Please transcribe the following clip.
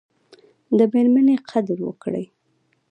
د میرمني قدر وکړئ